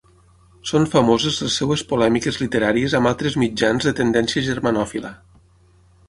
Són famoses les seves polèmiques literàries amb altres mitjans de tendència germanòfila.